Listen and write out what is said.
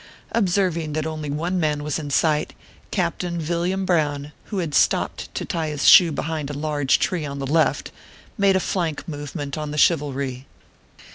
Observing that only one man was in sight, Captain OKPHEUS C. KERR PAPERS. 141 Villiam Brown, who had stopped to tie his shoe behind a large tree on the left, made a flank movement on the Chivalry.